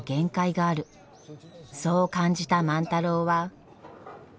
そう感じた万太郎は。